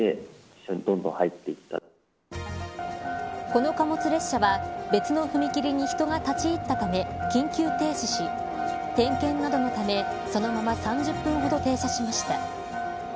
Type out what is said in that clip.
この貨物列車は別の踏切に人が立ち入ったため緊急停止し点検などのため、そのまま３０分ほど停車しました。